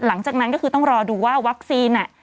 หลังจากนั้นก็คือต้องรอดูว่าวัคซีน